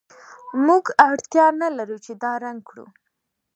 موږ اړتیا نلرو چې دا رنګ کړو